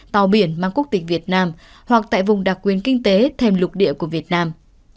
tàu biển mang quốc tịch việt nam hoặc tại vùng đặc quyền kinh tế thêm lục địa của việt nam